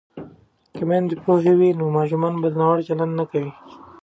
که میندې پوهې وي نو ماشومان به ناوړه چلند نه کوي.